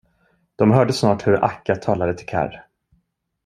De hörde snart hur Akka talade till Karr.